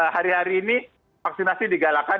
hari hari ini vaksinasi digalakan